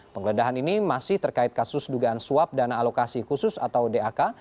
penggeledahan ini masih terkait kasus dugaan suap dana alokasi khusus atau dak